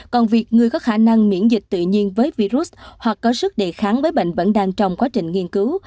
còn việc người có khả năng miễn dịch tự nhiên với virus hoặc có sức đề kháng với bệnh vẫn đang trong quá trình nghiên cứu